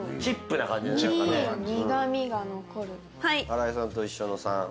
新井さんと一緒の３。